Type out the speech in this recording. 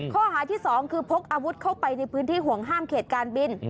ข้อหาที่๒คือพกอาวุธเข้าไปในพื้นที่ห่วงห้ามเขตการบิน